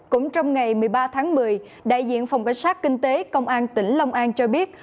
cũng trong ngày một mươi ba tháng một mươi đại diện phòng cảnh sát kinh tế công an tỉnh long an cho biết